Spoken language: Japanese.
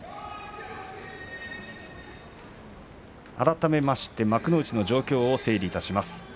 改めまして幕内の状況を整理いたします。